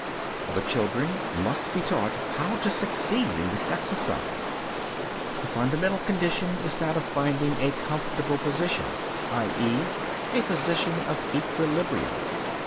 The children must be taught how to succeed in this exercise. The fundamental condition is that of finding a comfortable position, i.e., a position of equilibrium.